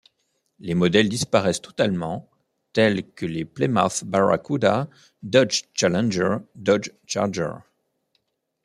Les modèles disparaissent totalement, tels que les Plymouth Barracuda, Dodge Challenger, Dodge Charger.